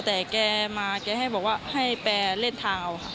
แต่แกมาแกให้บอกว่าให้แปลเล่นเท้า